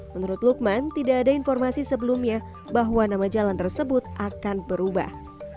menurut lukman tidak ada informasi sebelumnya bahwa nama jalan tersebut akan berubah